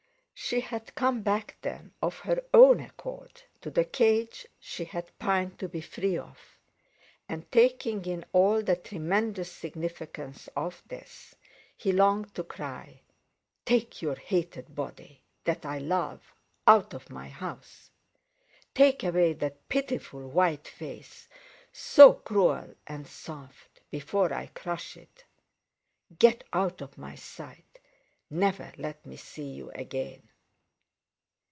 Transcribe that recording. She had come back then of her own accord, to the cage she had pined to be free of—and taking in all the tremendous significance of this, he longed to cry: "Take your hated body, that I love, out of my house! Take away that pitiful white face, so cruel and soft—before I crush it. Get out of my sight; never let me see you again!"